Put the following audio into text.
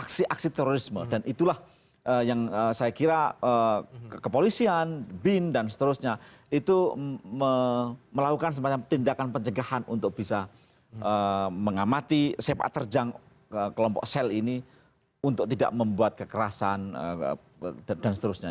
aksi aksi terorisme dan itulah yang saya kira kepolisian bin dan seterusnya itu melakukan semacam tindakan pencegahan untuk bisa mengamati sepak terjang kelompok sel ini untuk tidak membuat kekerasan dan seterusnya